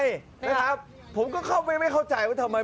นะครับผมก็เข้าไม่เข้าใจว่าทำไม